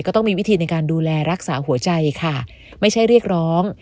ต้องมีวิธีในการดูแลรักษาหัวใจค่ะไม่ใช่เรียกร้อง